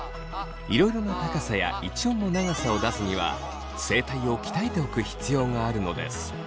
いろいろな高さや一音の長さを出すには声帯を鍛えておく必要があるのです。